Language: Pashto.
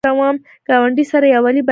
ګاونډي سره یووالی، برکت راولي